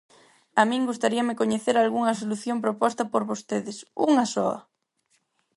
A min gustaríame coñecer algunha solución proposta por vostedes, unha soa.